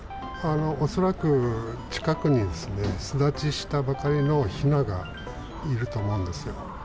恐らく、近くにですね、巣立ちしたばかりのひながいると思うんですよ。